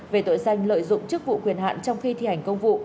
về tội danh lợi dụng chức vụ quyền hạn trong khi thi hành công vụ